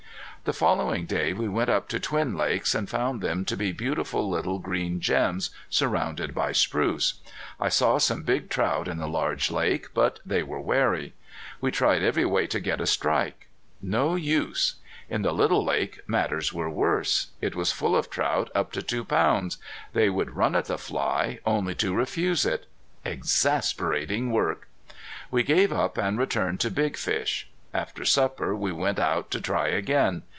The following day we went up to Twin Lakes and found them to be beautiful little green gems surrounded by spruce. I saw some big trout in the large lake, but they were wary. We tried every way to get a strike. No use! In the little lake matters were worse. It was full of trout up to two pounds. They would run at the fly, only to refuse it. Exasperating work! We gave up and returned to Big Fish. After supper we went out to try again.